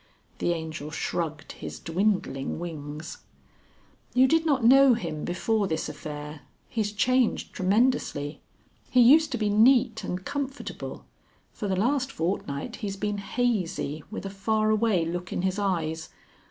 The Angel shrugged his dwindling wings. "You did not know him before this affair. He's changed tremendously. He used to be neat and comfortable. For the last fortnight he's been hazy, with a far away look in his eyes.